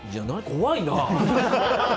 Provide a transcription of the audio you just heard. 怖いな！